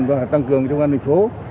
và tăng cường cho công an bình phố